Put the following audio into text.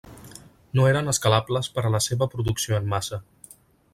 No eren escalables per a la seva producció en massa.